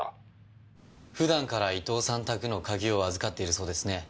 普段から伊東さん宅の鍵を預かっているそうですね。